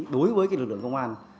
đối với cái lực lượng công an